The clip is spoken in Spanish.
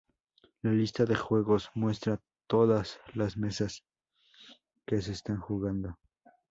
La lista de juegos muestra todas las "mesas" que se están jugando.